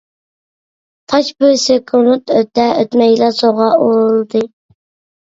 تاش بىر سېكۇنت ئۆتە-ئۆتمەيلا سۇغا ئۇرۇلدى.